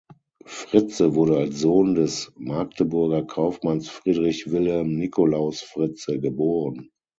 Fritze wurde als Sohn des Magdeburger Kaufmanns Friedrich Wilhelm Nicolaus Fritze geboren.